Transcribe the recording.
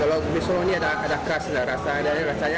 kalau kopi solong ini ada khasnya rasanya ada khasnya